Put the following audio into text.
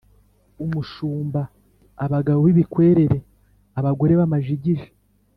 umushumba, abagabo b’ibikwerere, abagore b’amajigija,